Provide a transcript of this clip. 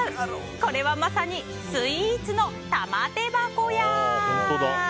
これは、まさにスイーツの玉手箱やぁ！